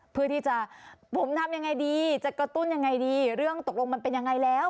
เพื่อที่จะผมทำยังไงดีจะกระตุ้นยังไงดีเรื่องตกลงมันเป็นยังไงแล้ว